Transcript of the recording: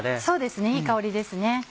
そうですねいい香りです。